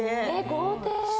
豪邸！